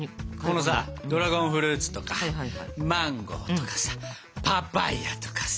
このさドラゴンフルーツとかマンゴ−とかさパパイアとかさ。